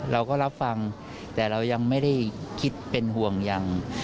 เราก็รับฟังแต่เรายังไม่ได้คิดเป็นห่วงอย่าง